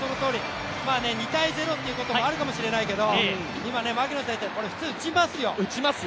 ２−０ということもあるかもしれないけど、これ、普通打ちますよ。